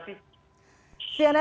pak windu terima kasih